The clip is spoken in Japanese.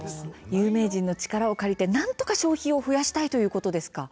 有名人の力を借りてなんとか消費を増やしたいということですか。